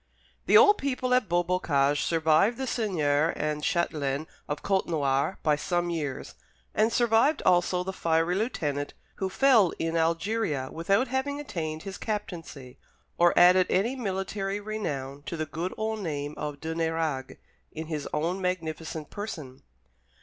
The old people at Beaubocage survived the seigneur and châtelaine of Côtenoir by some years, and survived also the fiery lieutenant, who fell in Algeria without having attained his captaincy, or added any military renown to the good old name of de Nérague in his own magnificent person.